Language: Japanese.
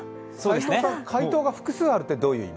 回答が複数あるって、どういう意味？